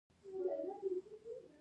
ښه اعلان د بازار دروازې پرانیزي.